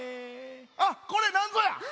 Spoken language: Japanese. あっこれなんぞや？